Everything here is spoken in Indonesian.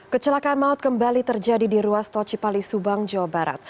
kecelakaan maut kembali terjadi di ruas tol cipali subang jawa barat